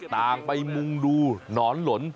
ต่างไปมุงดูหนอนหล่น